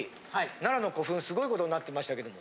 奈良の古墳すごい事になってましたけども。